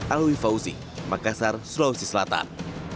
alwi fauzi makassar sulawesi selatan